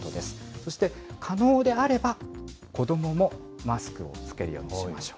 そして、可能であれば子どももマスクを着けるようにしましょう。